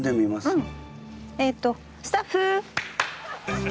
うん。